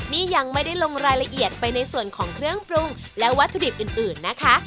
นี่ยังไม่ได้ลงรายละเอียดไปในส่วนของเครื่องปรุงและวัตถุดิบอื่นนะคะ